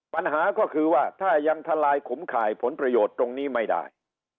ปัญหาก็คือว่าถ้ายังทลายขุมข่ายผลประโยชน์ตรงนี้ไม่ได้